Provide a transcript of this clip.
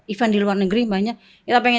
event di luar negeri banyak kita pengen